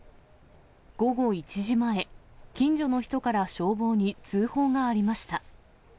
午後１時前、近所の人から消防に通報がありました。